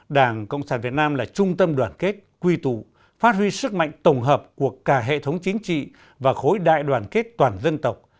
đảng cộng sản việt nam là trung tâm đoàn kết quy tụ phát huy sức mạnh tổng hợp của cả hệ thống chính trị và khối đại đoàn kết toàn dân tộc